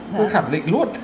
tôi khẳng định luôn